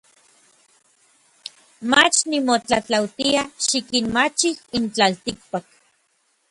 Mach nimotlatlautia xikinmachij n tlaltikpak.